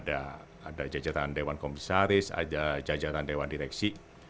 ada jajaran dewan komisaris ada jajaran dewan direksi